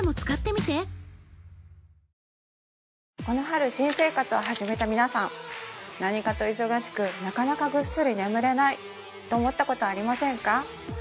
この春新生活を始めた皆さん何かと忙しくなかなかぐっすり眠れないと思ったことはありませんか？